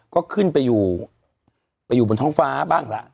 ก็ขึ้นไปอยู่ไปอยู่บนท้องฟ้าบ้างละ